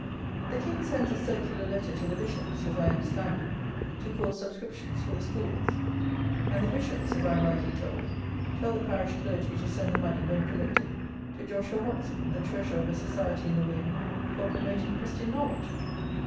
The King sends a circular letter to the bishops (as I understand it) to cause subscriptions for the schools; and the bishops (if I am rightly told) tell the parish clergy to send the money, when collected, to Joshua Watson, the Treasurer of a Society in the Wen, "for promoting Christian Knowledge!"